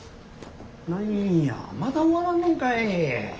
何やまだ終わらんのんかい。